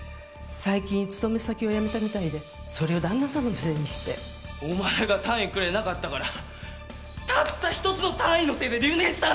最近勤め先を辞めたみたいでそれを旦那さまのせいにしてお前が単位くれなかったからたった１つの単位のせいで留年したんだぞ！